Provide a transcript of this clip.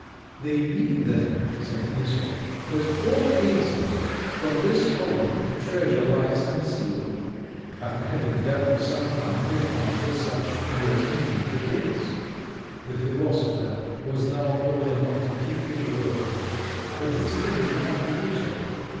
"They mean, then," said Æsop, "that four paces from this column a treasure lies concealed." After having dug for some time they found that such was indeed the case. The philosopher was now called upon to keep his word; but he still declined to do so.